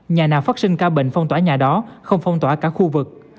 nhà nào phát sinh ca bệnh phong tỏa nhà đó không phong tỏa cả khu vực